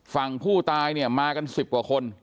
ฝั่งผู้ตายเนี่ยมากัน๑๐กว่าคน